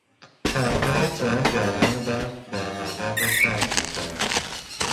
چرخهای ترن جریان برق در مدار را قطع میکند.